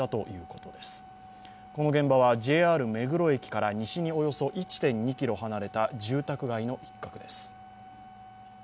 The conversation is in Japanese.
この現場はＪＲ目黒駅から西におよそ１．２ｋｍ離れた住宅街の一角です。